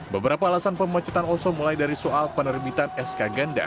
beberapa alasan pemecatan oso mulai dari soal penerbitan sk ganda